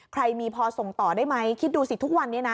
ใครมีพอส่งต่อได้ไหมคิดดูสิทุกวันนี้นะ